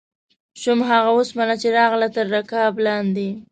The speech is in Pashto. شوم هغه اوسپنه چې راغلم تر رکاب لاندې